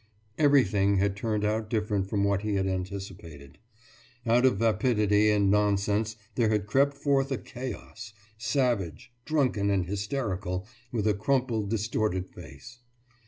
Everything had turned out different from what he had anticipated. Out of vapidity and nonsense there had crept forth a chaos savage, drunken, and hysterical, with a crumpled, distorted face.